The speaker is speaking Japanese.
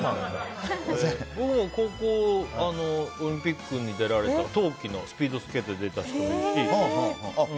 僕も高校オリンピックに出られた冬季のスピードスケートに出られた人もいるし。